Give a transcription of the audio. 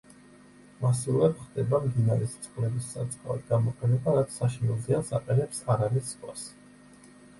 მასიურად ხდება მდინარის წყლების სარწყავად გამოყენება, რაც საშინელ ზიანს აყენებს არალის ზღვას.